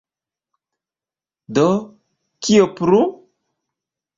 Do, kio plu?